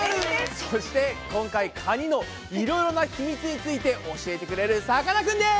そして今回カニのいろいろな秘密について教えてくれるさかなクンです！